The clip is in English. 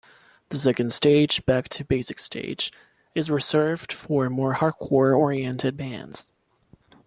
The second stage, Back-to-basics-stage, is reserved for more hardcore oriented bands.